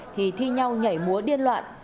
thì thi nhau nhảy múa điên loạn